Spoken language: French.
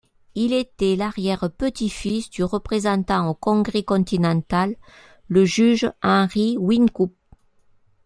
Il était l'arrière-petit-fils du représentant au Congrès continental, le Juge Henry Wynkoop.